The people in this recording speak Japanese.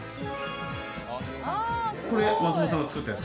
これ松本さんが作ったやつ？